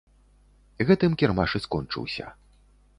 Гэтым кірмаш і скончыўся.